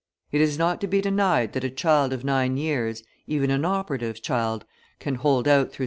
It is not to be denied that a child of nine years, even an operative's child, can hold out through 6.